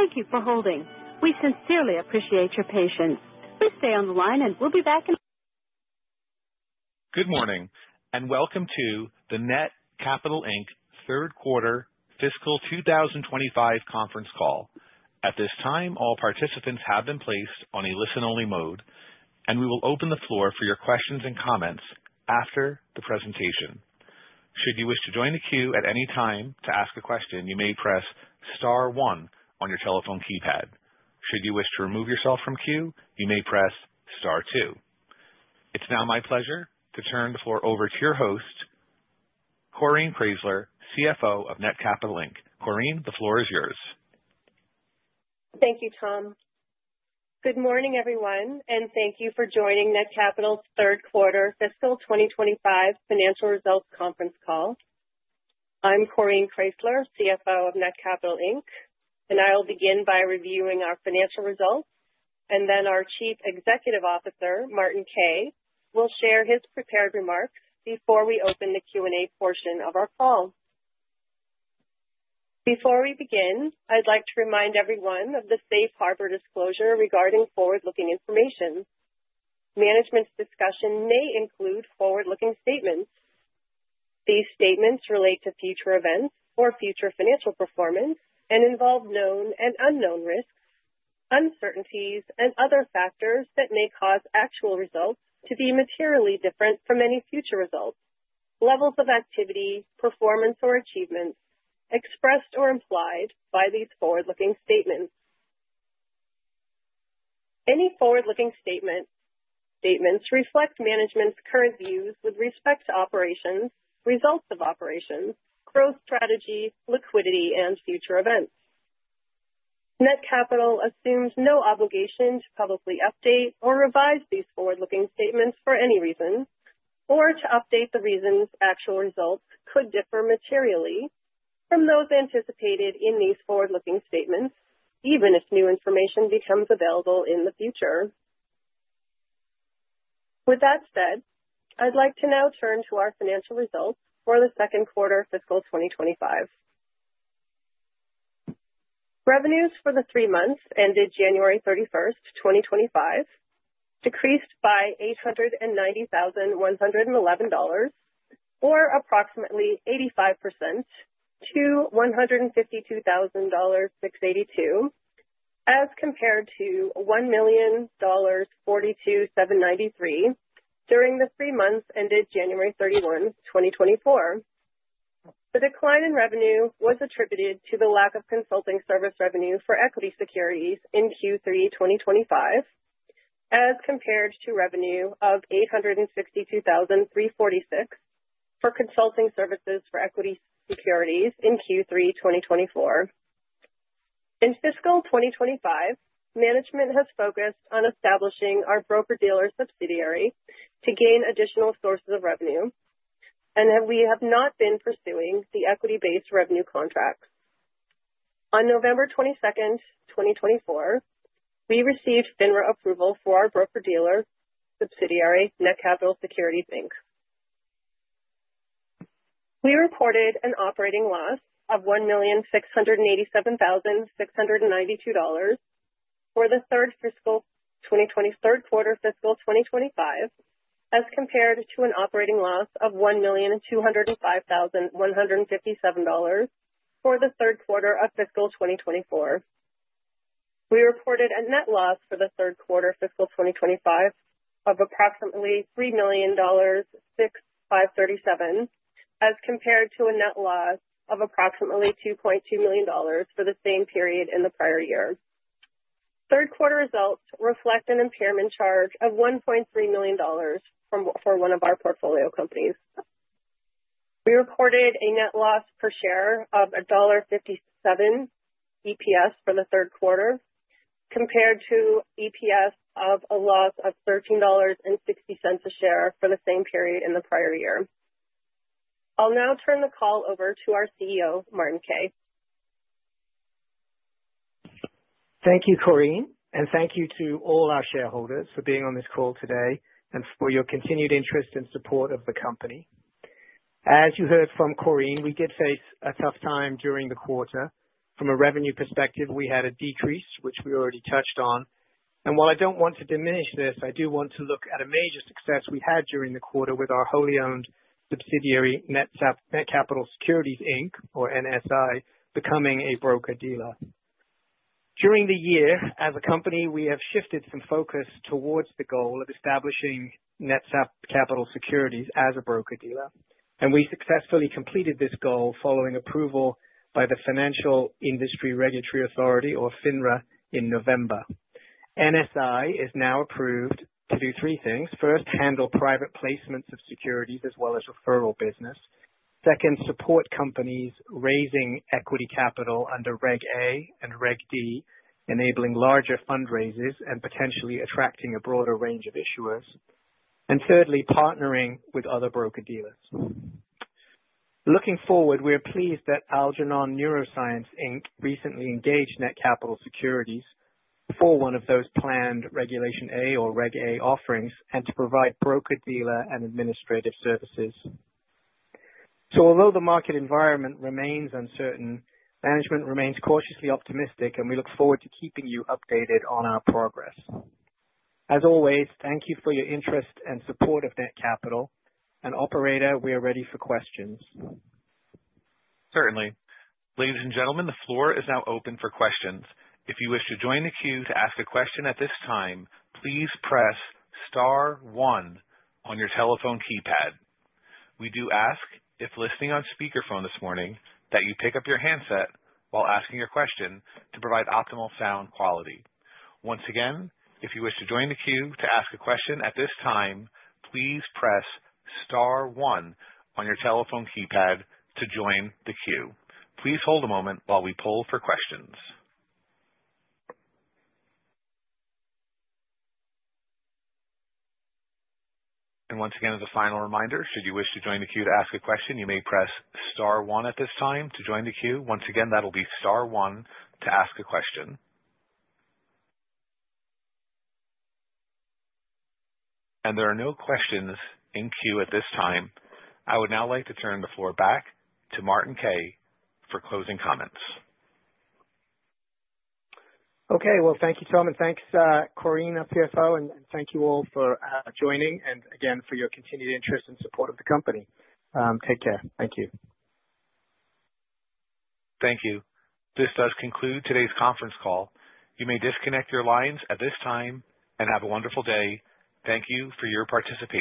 Thank you for holding. We sincerely appreciate your patience. Please stay on the line, and we'll be back in. Good morning, and welcome to the Netcapital Third Quarter Fiscal 2025 conference call. At this time, all participants have been placed on a listen-only mode, and we will open the floor for your questions and comments after the presentation. Should you wish to join the queue at any time to ask a question, you may press Star 1 on your telephone keypad. Should you wish to remove yourself from queue, you may press Star 2. It's now my pleasure to turn the floor over to your host, Coreen Kraysler, CFO of Netcapital. Coreen, the floor is yours. Thank you, Tom. Good morning, everyone, and thank you for joining Netcapital's third quarter fiscal 2025 financial results conference call. I'm Coreen Kraysler, CFO of Netcapital, and I'll begin by reviewing our financial results, and then our Chief Executive Officer, Martin Kay, will share his prepared remarks before we open the Q&A portion of our call. Before we begin, I'd like to remind everyone of the safe harbor disclosure regarding forward-looking information. Management's discussion may include forward-looking statement. These statements relate to future events or future financial performance and involve known and unknown risks, uncertainties, and other factors that may cause actual results to be materially different from any future results, levels of activity, performance, or achievements expressed or implied by these forward-looking statements. Any forward-looking statements reflect management's current views with respect to operations, results of operations, growth strategy, liquidity, and future events. Netcapital assumes no obligation to publicly update or revise these forward-looking statements for any reason or to update the reasons actual results could differ materially from those anticipated in these forward-looking statements, even if new information becomes available in the future. With that said, I'd like to now turn to our financial results for the second quarter fiscal 2025. Revenues for the three months ended January 31, 2025, decreased by $890,111 or approximately 85% to $152,682 as compared to $1,042,793 during the three months ended January 31, 2024. The decline in revenue was attributed to the lack of consulting service revenue for equity securities in Q3, 2025, as compared to revenue of $862,346 for consulting services for equity securities in Q3, 2024. In fiscal 2025, management has focused on establishing our broker-dealer subsidiary to gain additional sources of revenue, and we have not been pursuing the equity-based revenue contracts. On November 22, 2024, we received FINRA approval for our broker-dealer subsidiary, Netcapital Securities Inc. We reported an operating loss of $1,687,692 for the third quarter fiscal 2025, as compared to an operating loss of $1,205,157 for the third quarter of fiscal 2024. We reported a net loss for the third quarter fiscal 2025 of approximately $3,006,537, as compared to a net loss of approximately $2.2 million for the same period in the prior year. Third quarter results reflect an impairment charge of $1.3 million for one of our portfolio companies. We recorded a net loss per share of $1.57 EPS for the third quarter, compared to EPS of a loss of $13.60 a share for the same period in the prior year. I'll now turn the call over to our CEO, Martin Kay. Thank you, Corinne, and thank you to all our shareholders for being on this call today and for your continued interest and support of the company. As you heard from Corinne, we did face a tough time during the quarter. From a revenue perspective, we had a decrease, which we already touched on. While I do not want to diminish this, I do want to look at a major success we had during the quarter with our wholly owned subsidiary, Netcapital Securities Inc., or NSI, becoming a broker-dealer. During the year, as a company, we have shifted some focus towards the goal of establishing Netcapital Securities as a broker-dealer, and we successfully completed this goal following approval by the Financial Industry Regulatory Authority, or FINRA, in November. NSI is now approved to do three things. First, handle private placements of securities as well as referral business. Second, support companies raising equity capital under Reg A and Reg D, enabling larger fundraisers and potentially attracting a broader range of issuers. Thirdly, partnering with other broker-dealers. Looking forward, we are pleased that Algernon NeuroScience recently engaged Netcapital Securities for one of those planned Regulation A or Reg A offerings and to provide broker-dealer and administrative services. Although the market environment remains uncertain, management remains cautiously optimistic, and we look forward to keeping you updated on our progress. As always, thank you for your interest and support of Netcapital. Operator, we are ready for questions. Certainly. Ladies and gentlemen, the floor is now open for questions. If you wish to join the queue to ask a question at this time, please press Star 1 on your telephone keypad. We do ask, if listening on speakerphone this morning, that you pick up your handset while asking your question to provide optimal sound quality. Once again, if you wish to join the queue to ask a question at this time, please press Star 1 on your telephone keypad to join the queue. Please hold a moment while we pull for questions. Once again, as a final reminder, should you wish to join the queue to ask a question, you may press Star 1 at this time to join the queue. Once again, that'll be Star 1 to ask a question. There are no questions in queue at this time. I would now like to turn the floor back to Martin Kay for closing comments. Okay. Thank you, Tom, and thanks, Corinne, our CFO, and thank you all for joining and, again, for your continued interest and support of the company. Take care. Thank you. Thank you. This does conclude today's conference call. You may disconnect your lines at this time and have a wonderful day. Thank you for your participation.